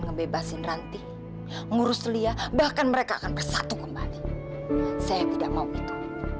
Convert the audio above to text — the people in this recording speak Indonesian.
ngebebasin ranti ngurus lia bahkan mereka akan bersatu kembali saya tidak mau itu